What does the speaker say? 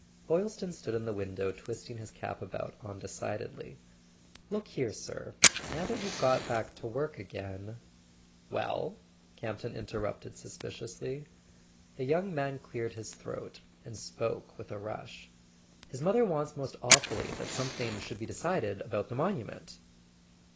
Boylston stood in the window twisting his cap about undecidedly. "Look here, sir—now that you've got back to work again " "Well?" Campton interrupted suspiciously. The young man cleared his throat and spoke with a rush. "His mother wants most awfully that some¬ thing should be decided about the monument."